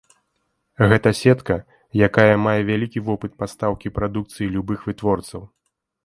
Гэта сетка, якая мае вялікі вопыт пастаўкі прадукцыі любых вытворцаў.